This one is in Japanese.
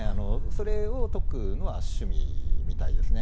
それを解くのは趣味みたいですね。